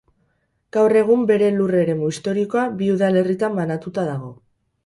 Gaur egun bere lur eremu historikoa bi udalerritan banatuta dago.